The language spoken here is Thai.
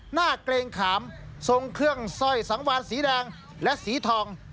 เกรงขามทรงเครื่องสร้อยสังวานสีแดงและสีทอง